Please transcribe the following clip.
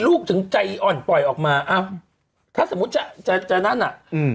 ถึงใจอ่อนปล่อยออกมาอ้าวถ้าสมมุติจะจะนั่นอ่ะอืม